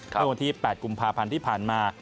เมื่อวันที่๘กุมภาพันธ์ที่ผ่านมา